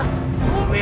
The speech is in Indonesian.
tidak ada apa apa